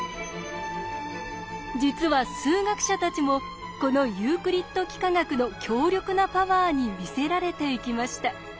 実は数学者たちもこのユークリッド幾何学の強力なパワーに魅せられていきました。